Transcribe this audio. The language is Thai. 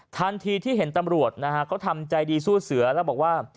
ทันทีที่เห็นตำรวจนะฮะเขาทำใจดีสู้เสือแล้วบอกว่า